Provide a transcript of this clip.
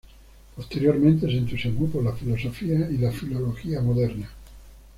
Posteriormente, se entusiasmó por la filosofía y la filología moderna.